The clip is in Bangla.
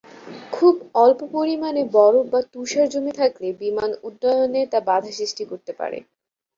খুব অল্প পরিমানে বরফ বা তুষার জমে থাকলে বিমান উড্ডয়নে তা বাধা সৃষ্টি করতে পারে।